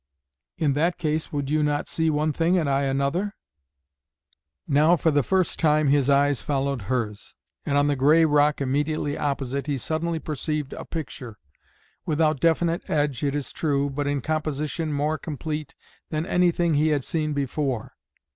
"In that case would you not see one thing and I another?" Now for the first time his eyes followed hers, and on the gray rock immediately opposite he suddenly perceived a picture, without definite edge it is true, but in composition more complete than anything he had seen before.